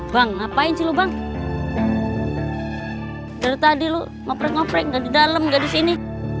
bang ngapain sih lu bang dari tadi lu ngoprek ngoprek dan di dalam gak disini